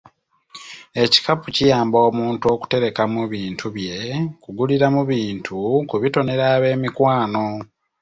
Ekikapu kiyamba omunto okuterekamu bintu bye, kuguliramu bintu, kubitonera abeemikwano.